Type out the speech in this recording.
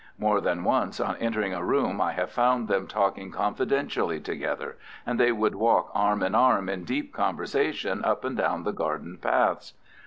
More than once on entering a room I have found them talking confidentially together, and they would walk arm in arm in deep conversation up and down the garden paths.